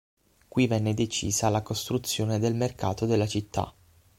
Qui venne decisa la costruzione del mercato della città.